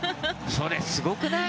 それ、すごくない？